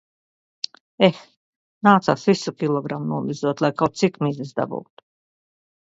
Eh... Nācās visu kilogramu nomizot, lai kaut cik mizas dabūtu.